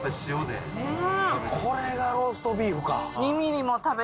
これがローストビーフか。